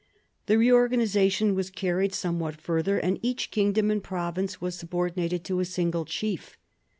The reorgan isation was carried somewhat further, and each kingdom and province was subordinated to a single chief.